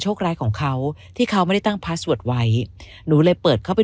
โชคร้ายของเขาที่เขาไม่ได้ตั้งไว้หนูเลยเปิดเข้าไป